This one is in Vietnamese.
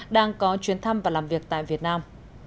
đang có chuyến thăm và làm việc tại việt nam